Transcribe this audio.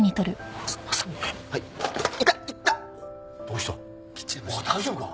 おい大丈夫か？